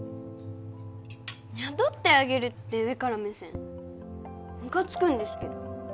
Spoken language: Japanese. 雇ってあげるって上から目線ムカつくんですけど